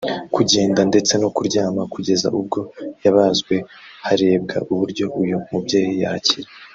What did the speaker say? kugenda ndetse no kuryama kugeza ubwo yabazwe harebwa uburyo uyu mubyeyi yakira